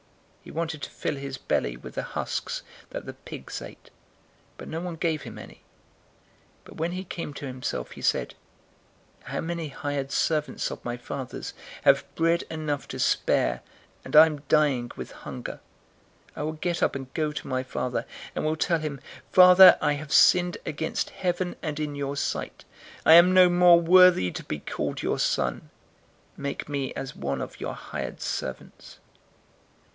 015:016 He wanted to fill his belly with the husks that the pigs ate, but no one gave him any. 015:017 But when he came to himself he said, 'How many hired servants of my father's have bread enough to spare, and I'm dying with hunger! 015:018 I will get up and go to my father, and will tell him, "Father, I have sinned against heaven, and in your sight. 015:019 I am no more worthy to be called your son. Make me as one of your hired servants."'